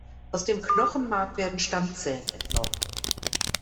Aus dem Knochenmark werden Stammzellen entnommen.